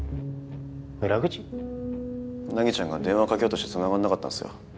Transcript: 凪ちゃんが電話掛けようとしてつながんなかったんすよ。